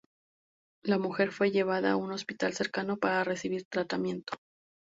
La mujer fue llevada a un hospital cercano para recibir tratamiento.